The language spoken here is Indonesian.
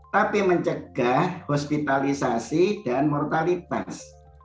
tapi mencegah hospitalisasi dan mortalitas